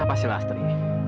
kenapa sih lastri